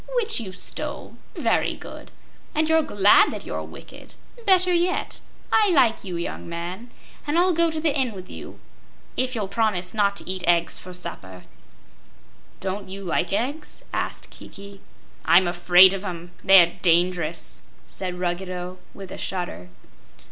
"Which you stole. Very good. And you're glad that you're wicked. Better yet. I like you, young man, and I'll go to the inn with you if you'll promise not to eat eggs for supper." "Don't you like eggs?" asked Kiki. "I'm afraid of 'em; they're dangerous!" said Ruggedo, with a shudder.